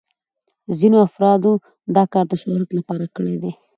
ځینو افرادو دا کار د شهرت لپاره کړی دی.